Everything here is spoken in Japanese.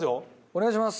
お願いします。